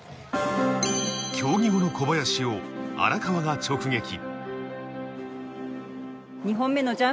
競技後の小林を荒川が直撃。